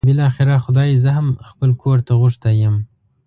بالاخره خدای زه هم خپل کور ته غوښتی یم.